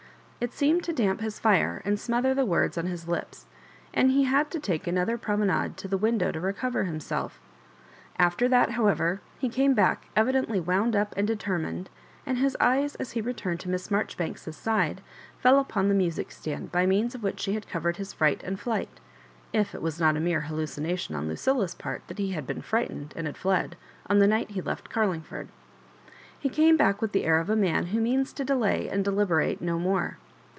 It seemed to damp his fire and smother the words on his lips, and he had to take another promenade to the window to recover himself Ailer that, however, he came back evidently wound up and deter mined ; and his eyes, as he returned to Miss Mar* joribanks's side, fell upon the music stand by means of which she had covered his fright and flight (if it was not a mere hallucination on Lu cilla's part that he had been frightened and had fled) on the night he left Carlingford. He came back with the air of a man who means to delay and deliberate no more.